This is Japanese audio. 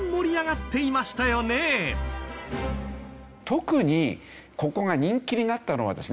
特にここが人気になったのはですね